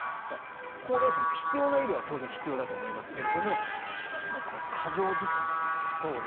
高齢者も必要な医療は当然必要だと思いますが過剰受診っていうところですね。